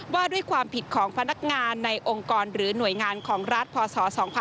ว่าด้วยความผิดของพนักงานในองค์กรหรือหน่วยงานของรัฐพศ๒๕๖๒